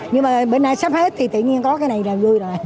nhưng mà bữa nay sắp hết thì tự nhiên có cái này là vui rồi